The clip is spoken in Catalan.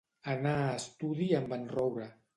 Anar a estudi amb en Roure.